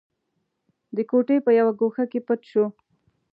د کوټې په يوه ګوښه کې پټ شو.